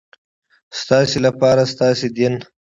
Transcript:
ستاسې لپاره ستاسې دین.